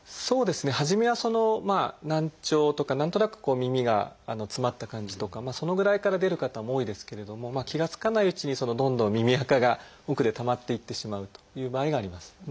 そうですね初めは難聴とか何となく耳が詰まった感じとかそのぐらいから出る方も多いですけれども気が付かないうちにどんどん耳あかが奥でたまっていってしまうという場合があります。